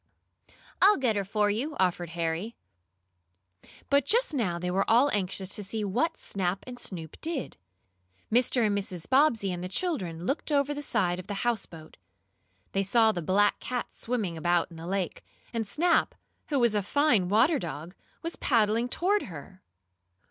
"I'll get her for you," offered Harry. But just now they were all anxious to see what Snap and Snoop did. Mr. and Mrs. Bobbsey and the children looked over the side of the houseboat. They saw the black cat swimming about in the lake, and Snap, who was a fine water dog, was paddling toward her.